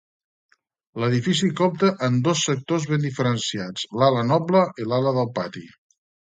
L'Edifici compta amb dos sectors ben diferenciats: l'ala noble i l'ala del pati.